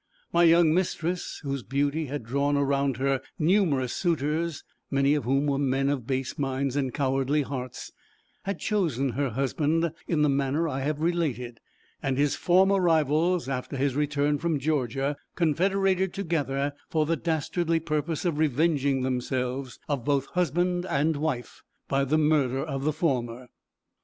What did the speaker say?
My young mistress, whose beauty had drawn around her numerous suitors, many of whom were men of base minds and cowardly hearts, had chosen her husband, in the manner I have related, and his former rivals, after his return from Georgia, confederated together, for the dastardly purpose of revenging themselves, of both husband and wife, by the murder of the former.